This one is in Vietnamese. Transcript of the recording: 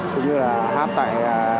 cũng như là hát tại